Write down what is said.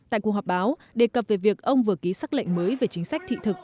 tại cuộc họp báo đề cập về việc ông vừa ký xác lệnh mới về chính sách thị thực